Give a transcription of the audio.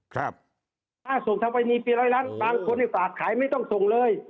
ครับค่าส่งเข้าไปนี่ปีร้อยล้านบางคนที่ฝากขายไม่ต้องส่งเลย